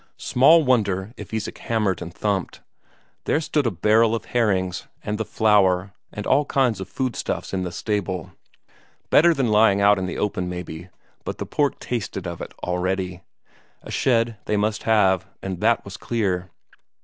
Small wonder if Isak hammered and thumped. There stood a barrel of herrings, and the flour, and all kinds of food stuffs in the stable; better than lying out in the open, maybe, but the pork tasted of it already; a shed they must have, and that was clear.